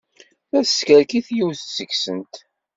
La teskerkis yiwet seg-went.